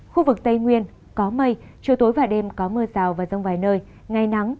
khu vực tây nguyên có mây chiều tối và đêm có mưa rào và rông vài nơi ngày nắng